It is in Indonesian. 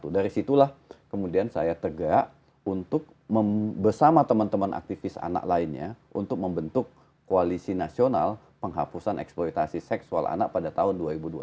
dari situlah kemudian saya tegak untuk bersama teman teman aktivis anak lainnya untuk membentuk koalisi nasional penghapusan eksploitasi seksual anak pada tahun dua ribu dua puluh